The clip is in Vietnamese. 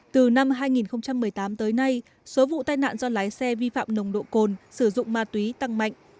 từ năm hai nghìn một mươi tám tới nay số vụ tai nạn do lái xe vi phạm nồng độ cồn sử dụng ma túy tăng mạnh